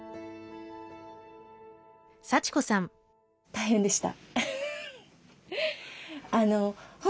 大変でした。